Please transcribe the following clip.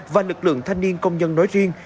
và lực lượng thanh niên công nhân nói riêng